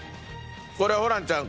これホランちゃん